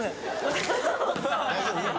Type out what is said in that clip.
大丈夫？